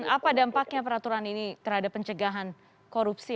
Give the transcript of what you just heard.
apa dampaknya peraturan ini terhadap pencegahan korupsi